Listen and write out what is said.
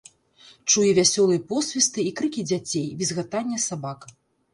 Чуе вясёлыя посвісты і крыкі дзяцей, візгатанне сабак.